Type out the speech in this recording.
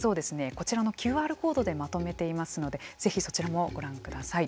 こちらのＱＲコードでまとめていますので是非そちらもご覧ください。